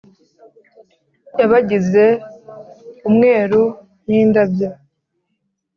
yabagize umweru n'indabyo,